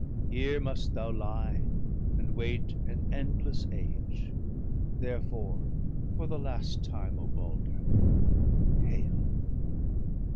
Here must thou lie, and wait an endless age. Therefore for the last time, O Balder, hail!'